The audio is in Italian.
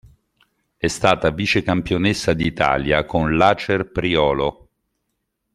È stata vicecampionessa d'Italia con l'Acer Priolo.